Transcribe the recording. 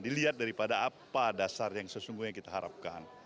dilihat daripada apa dasar yang sesungguhnya kita harapkan